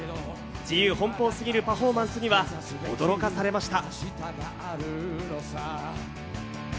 自由奔放すぎるパフォーマンスには驚かされました。